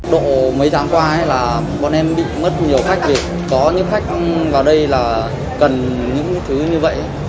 độ mấy tháng qua là bọn em bị mất nhiều khách vì có những khách vào đây là cần những thứ như vậy